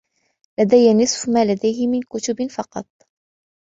لدي نصف ما لديه من كتب فقط.